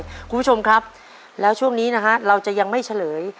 คุณผู้ชมครับแล้วช่วงนี้นะฮะเราจะยังไม่เฉลย